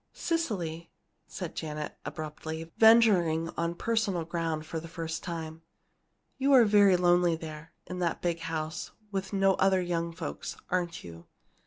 "Cecily," said Janet, abruptly, venturing on personal ground for the first time, "you are very lonely there, in that big house, with no other young folks, aren't you?"